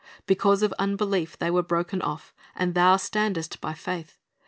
... Because of unbelief they Avere broken off, and thou standest by faith.